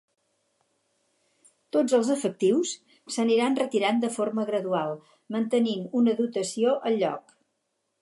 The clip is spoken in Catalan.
Tots els efectius s’aniran retirant de forma gradual, mantenint una dotació al lloc.